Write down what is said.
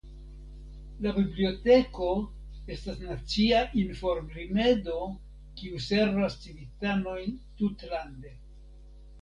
La biblioteko estas nacia informrimedo kiu servas civitanojn tutlande.